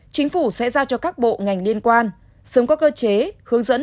chính phủ sẽ giao cho các bộ ngành liên quan sớm có cơ chế hướng dẫn